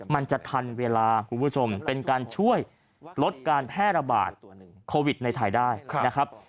มันจะทันเวลาคุณผู้ชมเป็นการช่วยลดการแพร่ระบาดโควิดในไทยได้นะครับ